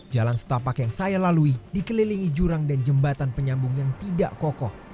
jalan setapak yang saya lalui dikelilingi jurang dan jembatan penyambung yang tidak kokoh